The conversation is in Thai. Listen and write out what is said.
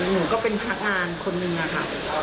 หนูก็เป็นพนักงานคนหนึ่งอะค่ะ